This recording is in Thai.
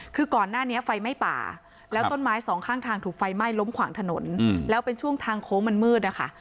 คือก่อนหน้านี้ไฟไหม้ป่าแล้วต้นไม้สองข้างทางถูกไฟไหม้ล้มขวางถนนแล้วเป็นช่วงทางโค้งมันมืดนะคะ